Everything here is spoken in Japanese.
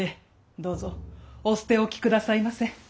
どうぞお捨て置き下さいませ。